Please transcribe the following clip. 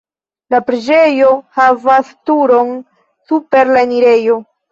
La preĝejo havas turon super la enirejo.